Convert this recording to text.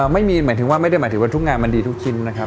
ไม่มีไม่ได้หมายถึงว่าทุกงานมันดีทุกชิ้นนะครับ